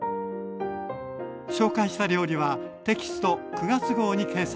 紹介した料理はテキスト９月号に掲載しています。